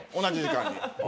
同じ時間に。